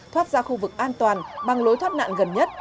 thoát ra khu vực an toàn bằng lối thoát nạn gần nhất